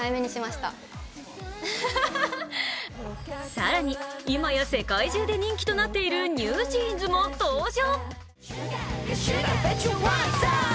更に、今や世界中で人気となっているＮｅｗＪｅａｎｓも登場。